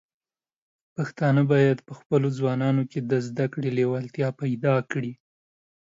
پښتانه بايد په خپلو ځوانانو کې د زده کړې لیوالتیا پيدا کړي.